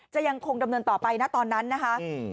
ยังคงดำเนินต่อไปนะตอนนั้นนะคะ